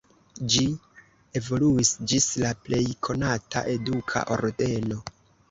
Ĝi evoluis ĝis la plej konata eduka ordeno.